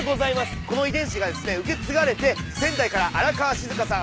この遺伝子がですね受け継がれて仙台から荒川静香さん